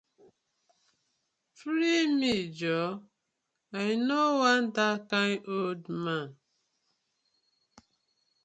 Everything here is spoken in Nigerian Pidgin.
Free me joor, I no wan dat kind old man.